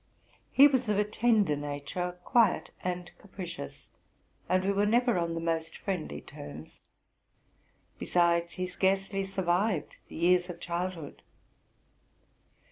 He was of a tender nature, quiet and ecapri cious ; and we were never on the most friendly terms. Be sides, he scarcely survived the years of childhood.